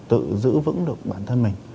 tự giữ vững được bản thân mình